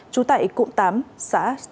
trú tại cụ tám xã sài gòn